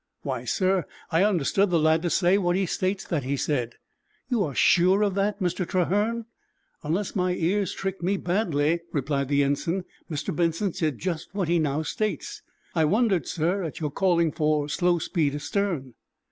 "Why, sir, I understood the lad to say what he states that he said." "You are sure of that, Mr. Trahern?" "Unless my ears tricked me badly," replied the ensign, "Mr. Benson said just what he now states. I wondered, sir, at your calling for slow speed astern."